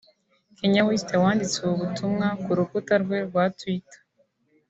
Kanye West wanditse ubu butumwa ku rukuta rwe rwa Twiiter